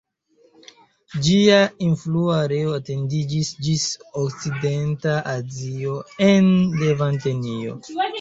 Ĝia influa areo etendiĝis ĝis Okcidenta Azio en Levantenio.